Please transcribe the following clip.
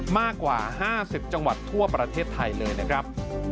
มากกว่า๕๐จังหวัดทั่วประเทศไทยเลยนะครับ